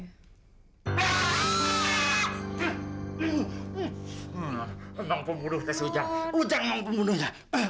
ujang mau pembunuh tess ujang mau pembunuhnya